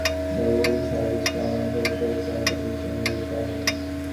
The wood is heavy, strong and very close-grained and used in woodturning.